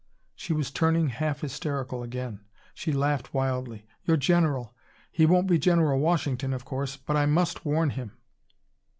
She was turning half hysterical again. She laughed wildly. "Your general he won't be General Washington, of course. But I must warn him."